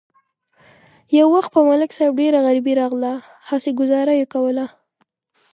یو وخت په ملک صاحب ډېره غریبي راغله، هسې گذاره یې کوله.